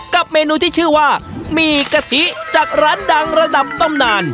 เมนูที่ชื่อว่าหมี่กะทิจากร้านดังระดับตำนาน